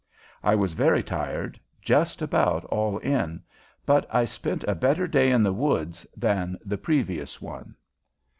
I was very tired just about all in but I spent a better day in the woods than the previous one.